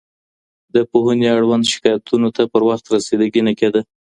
د پوهنې اړوند شکایتونو ته پر وخت رسیدګي نه کيده.